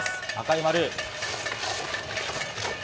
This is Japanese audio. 赤い丸。